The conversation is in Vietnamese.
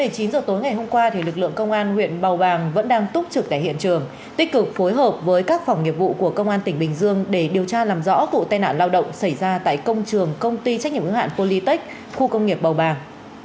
một mươi chín h tối ngày hôm qua lực lượng công an huyện bầu bàng vẫn đang túc trực tại hiện trường tích cực phối hợp với các phòng nghiệp vụ của công an tỉnh bình dương để điều tra làm rõ vụ tai nạn lao động xảy ra tại công trường công ty trách nhiệm ứng hạn polytech khu công nghiệp bầu bàng